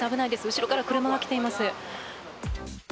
後ろから車が来ています。